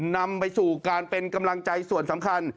นำไปสู่การเป็นกำลังใจส่วนสำคัญ